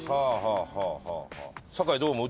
酒井どう思う？